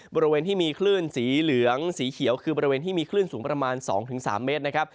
บริเวณที่มีคลื่นสีเหลืองสีเขียวคือบริเวณที่มีคลื่นสูงประมาณ๒๓เมตรนะครับ